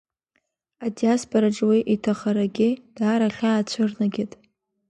Адиаспораҿы уи иҭахарагьы даара ахьаа цәырнагеит.